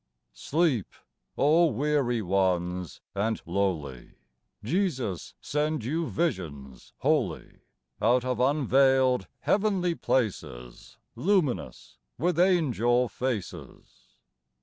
Sleep, O weary ones and lowly ! Jesus send you visions holy Out of unveiled heavenly places, Luminous with angel faces